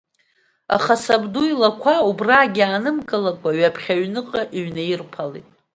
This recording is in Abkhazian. Аха сабду илақәа убрагьы иаанымгылакәа, ҩаԥхьа аҩныҟа иҩнаирԥалеит.